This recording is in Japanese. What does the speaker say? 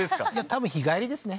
多分日帰りですね